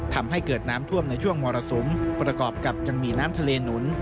ทำให้เกิดน้ำท่วมในช่วงมรสุมประกอบกับยังมีน้ำทะเลหนุน